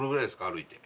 歩いて。